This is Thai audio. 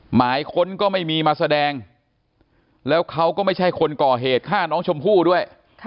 หมายค้นก็ไม่มีมาแสดงแล้วเขาก็ไม่ใช่คนก่อเหตุฆ่าน้องชมพู่ด้วย